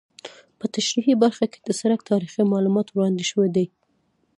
په تشریحي برخه کې د سرک تاریخي معلومات وړاندې شوي دي